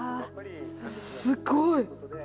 すごい！